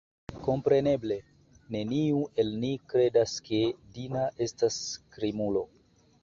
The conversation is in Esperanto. Kompreneble, neniu el ni kredas, ke Dima estas krimulo.